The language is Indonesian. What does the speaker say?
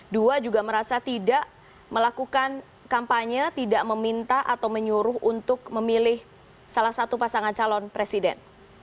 dua juga merasa tidak melakukan kampanye tidak meminta atau menyuruh untuk memilih salah satu pasangan calon presiden